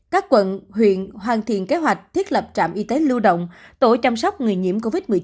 các quận huyện hoàn thiện kế hoạch thiết lập trạm y tế lưu động tổ chăm sóc người nhiễm covid một mươi chín